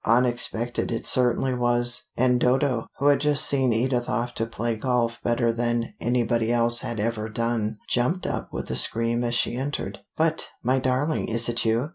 Unexpected it certainly was, and Dodo, who had just seen Edith off to play golf better than anybody else had ever done, jumped up with a scream as she entered. "But, my darling, is it you?"